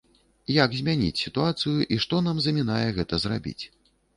Як змяніць сітуацыю, і што нам замінае гэта зрабіць?